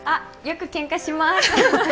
よく、けんかします。